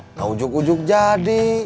enggak ujug ujug jadi